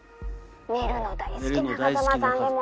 寝るの大好きな風真さんでも。